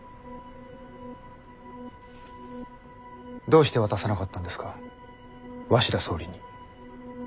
どうして渡さなかったんですか鷲田総理に。